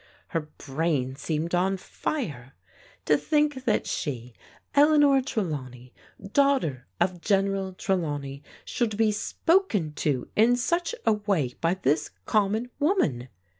Her brain seemed on fire. To think that she, Eleanor Trelawney, daughter of General Trelawney, should be spoken to in such a way by this common woman.